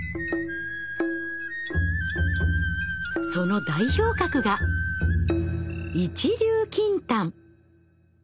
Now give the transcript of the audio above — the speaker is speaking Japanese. その代表格が「一粒金丹」。